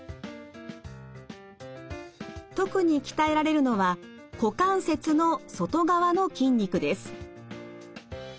特に鍛えられるのは股関節の外側の筋肉です。